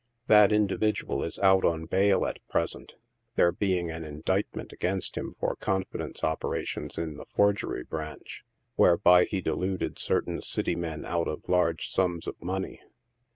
That individual is out on bail at present, there being an indictment against him for confidence operations in the forgery branch, where by he deluded certain city men out of large sums of money.